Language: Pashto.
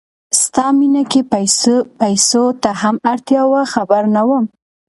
ستا مینه کې پیسو ته هم اړتیا وه خبر نه وم